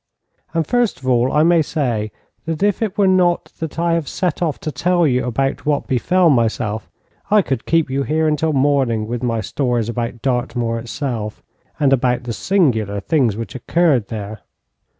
And first of all I may say that if it were not that I have set off to tell you about what befell myself, I could keep you here until morning with my stories about Dartmoor itself, and about the singular things which occurred there.